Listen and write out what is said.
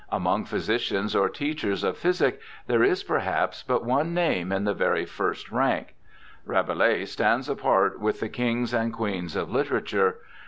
Among physicians, or teachers of physic, there is, perhaps, but one name in the very first rank. Rabelais stands apart with the kings and queens of literature.